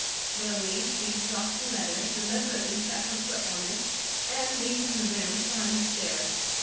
Slowly she dropped the letter, deliberately set her foot on it, and leaving the room, climbed the stairs.